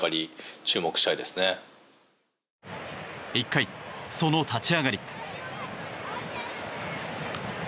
１回、その立ち上がり。